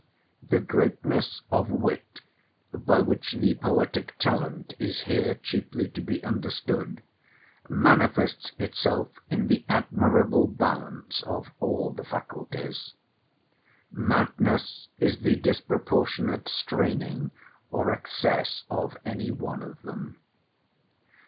The greatness of wit, by which the poetic talent is here chiefly to be understood, manifests itself in the admirable balance of all the faculties. Madness is the disproportionate straining or excess of any one of them.